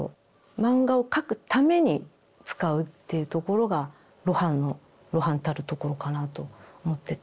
漫画を描くために使うというところが露伴の露伴たるところかなと思ってて。